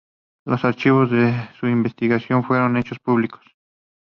Los archivos de su investigación fueron hechos públicos.